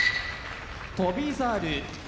翔猿